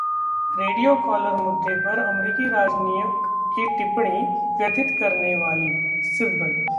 radio collar मुद्दे पर अमेरिकी राजनयिक की टिप्पणी ‘व्यथित करने वाली’: सिब्बल